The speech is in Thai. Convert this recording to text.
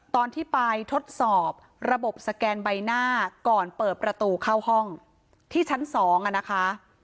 ตอนที่ไปทดสอบระบบสแกนใบหน้าก่อนเปิดประตูเข้าห้องที่ชั้น๒นะคะ